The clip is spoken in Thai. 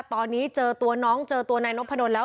ตอนนี้เจอตัวน้องเจอตัวนายนพดลแล้ว